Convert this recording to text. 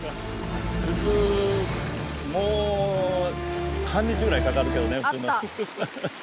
普通もう半日ぐらいかかるけどね。